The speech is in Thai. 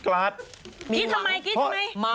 กรี๊ดทำไมกรี๊ดทำไม